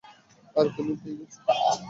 আরে, তুমি পেয়ে গেছো।